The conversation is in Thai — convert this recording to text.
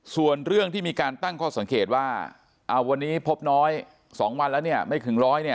ส่วนเรื่องที่มีการตั้งข้อสังเกตว่าวันนี้พบน้อย๒วันแล้วไม่ถึง๑๐๐